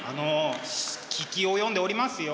聞き及んでおりますよ。